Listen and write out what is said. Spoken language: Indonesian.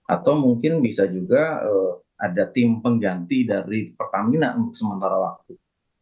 atau mungkin bisa juga ada tim pengganti dari pertamina untuk sementara waktu